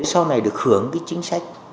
sau này được hưởng chính sách